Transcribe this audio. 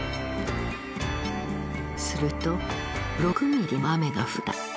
すると６ミリの雨が降った。